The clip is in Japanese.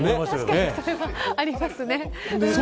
確かにそれはありますね。